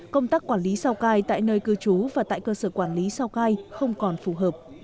công tác quản lý sao cai tại nơi cư trú và tại cơ sở quản lý sao cai không còn phù hợp